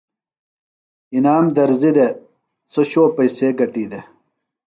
انعام درزی دےۡ۔ سوۡ شو پئیسے گٹی دےۡ۔